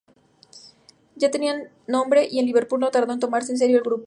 Ya tenían nombre, y Liverpool no tardó en tomarse en serio al grupo.